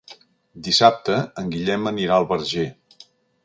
Dissabte en Guillem anirà al Verger.